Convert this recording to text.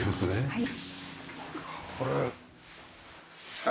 はい。